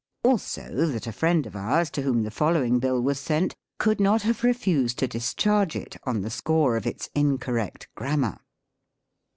Also that a friend of ours, to whom the following bill was sent, could not have refused to discharge it on the score of its incorrect grammar.